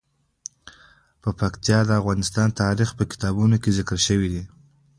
پکتیا د افغان تاریخ په کتابونو کې ذکر شوی دي.